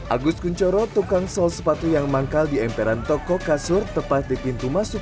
agus kunchoro tukang sol sepatu yang manggal di emperan toko kasur tepat di pintu masuk